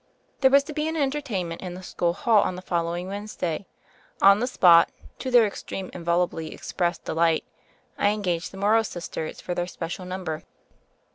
There was to be an entertainment in the school hall on the following Wednesday : on the spot, to their extreme and volubly expressed de light, I engaged the "Morrow Sisters" for their special number.